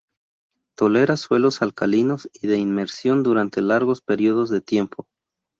Tolera suelos alcalinos y de inmersión durante largos períodos de tiempo.